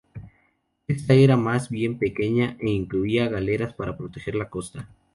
Esta era más bien pequeña e incluía galeras para proteger la costa.